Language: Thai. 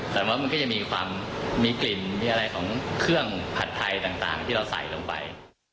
แต่ว่ามันก็จะมีความมีกลิ่นมีอะไรของเครื่องผัดไทยต่างที่เราใส่ลงไป